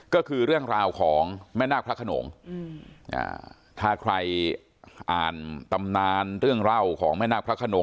ก็คือเรื่องราวของแม่นาคพระขนงถ้าใครอ่านตำนานเรื่องเล่าของแม่นาคพระขนง